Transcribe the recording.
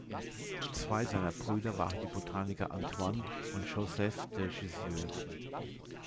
Zwei seiner Brüder waren die Botaniker Antoine und Joseph de Jussieu.